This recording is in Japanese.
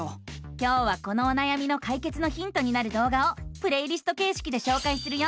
今日はこのおなやみのかいけつのヒントになる動画をプレイリストけいしきでしょうかいするよ！